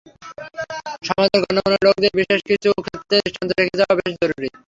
সমাজের গণ্যমান্য লোকেদের বিশেষ কিছু ক্ষেত্রে দৃষ্টান্ত রেখে যাওয়া বেশ জরুরী।